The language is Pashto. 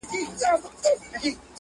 چي قاضي کړه د طبیب دعوه منظوره -